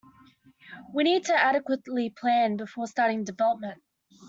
We need to adequately plan before starting development.